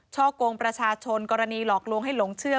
กงประชาชนกรณีหลอกลวงให้หลงเชื่อ